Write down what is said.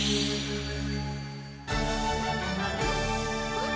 あっ！